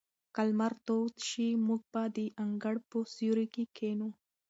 که لمر تود شي، موږ به د انګړ په سیوري کې کښېنو.